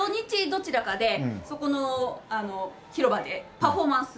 どちらかでそこの広場でパフォーマンス。